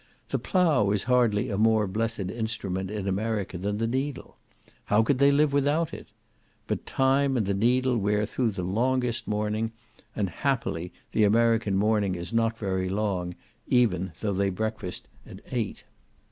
The plough is hardly a more blessed instrument in America than the needle. How could they live without it? But time and the needle wear through the longest morning, and happily the American morning is not very long, even though they breakfast at eight.